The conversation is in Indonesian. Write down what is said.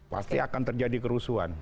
pasti akan terjadi kerusuhan